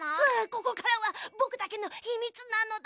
ここからはぼくだけのひみつなのだ！